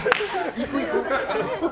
行く、行く！